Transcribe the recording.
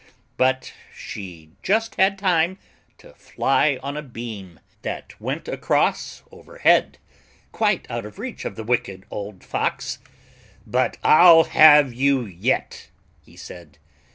But she just had time to fly on a beam That went across over head, Quite out of reach of the Wicked Old Fox. "But I'll have you yet," he said.